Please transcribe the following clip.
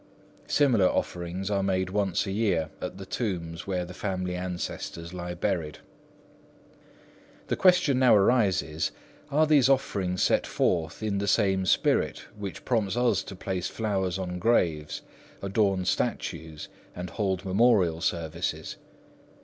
Similar offerings are made once a year at the tombs where the family ancestors lie buried. The question now arises, Are these offerings set forth in the same spirit which prompts us to place flowers on graves, adorn statues, and hold memorial services?